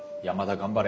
頑張れ。